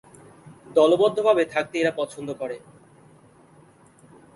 দলবদ্ধভাবে থাকতে এরা পছন্দ করে।